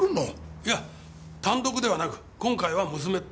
いえ単独ではなく今回は娘と。